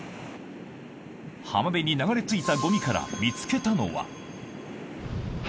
浜辺に流れ着いたごみから見つけたのは。